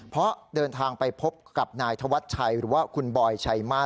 เพราะเดินทางไปพบกับนายธวัชชัยหรือว่าคุณบอยชัยมาส